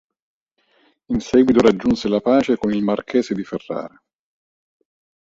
In seguito raggiunse la pace con il marchese di Ferrara.